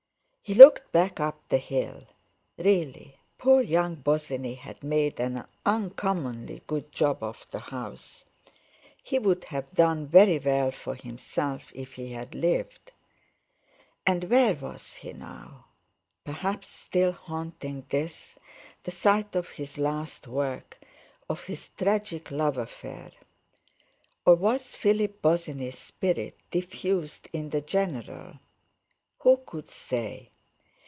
He looked back up the hill. Really, poor young Bosinney had made an uncommonly good job of the house; he would have done very well for himself if he had lived! And where was he now? Perhaps, still haunting this, the site of his last work, of his tragic love affair. Or was Philip Bosinney's spirit diffused in the general? Who could say?